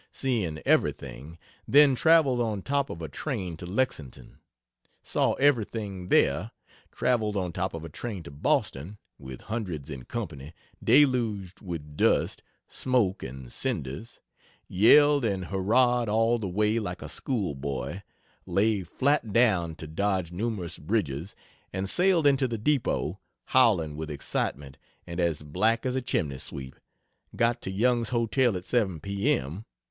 seeing everything; then traveled on top of a train to Lexington; saw everything there; traveled on top of a train to Boston, (with hundreds in company) deluged with dust, smoke and cinders; yelled and hurrahed all the way like a schoolboy; lay flat down to dodge numerous bridges, and sailed into the depot, howling with excitement and as black as a chimney sweep; got to Young's Hotel at 7 P. M.